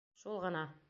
Шул ғына.